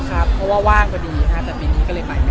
ตอนนี้รูปตัวเองกันแทบไม่มีเลยฮะ